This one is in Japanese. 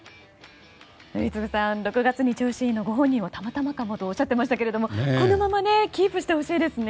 宜嗣さん６月に調子がいいのをご本人はたまたまかもとおっしゃっていましたけどもこのままキープしてほしいですね。